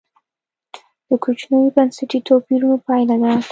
د کوچنیو بنسټي توپیرونو پایله ده.